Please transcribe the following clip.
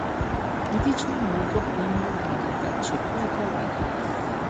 ვიდიჩმა მოიგო პრემიერ ლიგა და ჩემპიონთა ლიგა.